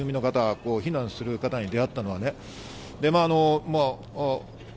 僕は住民の方、避難する方に出会ったのは。